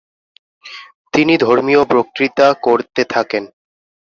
তিনি ধর্মীয় বক্তৃতা করতে থাকেন।